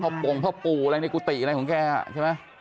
ปงพ่อปู่อะไรในกุฏิอะไรของแกใช่ไหม